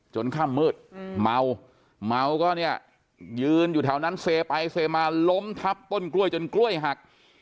ค่ำมืดเมาเมาก็เนี่ยยืนอยู่แถวนั้นเซไปเซมาล้มทับต้นกล้วยจนกล้วยหัก